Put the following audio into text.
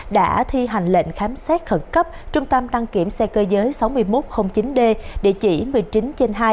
đã thi hành lệnh khám xét khẩn cấp trung tâm đăng kiểm xe cơ giới sáu nghìn một trăm linh chín d địa chỉ một mươi chín trên hai